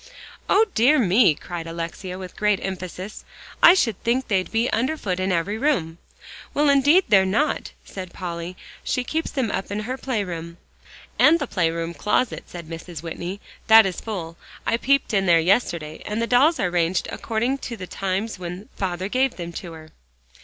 "O dear me!" cried Alexia, with great emphasis. "I should think they'd be under foot in every room." "Well, indeed they're not," said Polly; "she keeps them up in her playroom." "And the playroom closet," said Mrs. Whitney, "that is full. I peeped in there yesterday, and the dolls are ranged according to the times when father gave them to her."